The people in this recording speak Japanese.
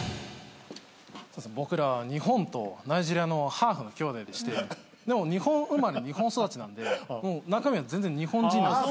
僕ら日本とナイジェリアのハーフの兄弟でしてでも日本生まれ日本育ちなんで中身は全然日本人なんです。